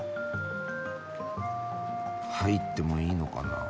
入ってもいいのかな？